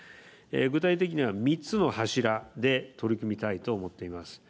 具体的には３つの柱で取り組みたいと思っています。